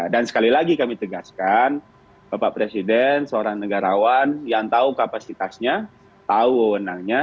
dan sekali lagi kami tegaskan bapak presiden seorang negarawan yang tahu kapasitasnya tahu wonangnya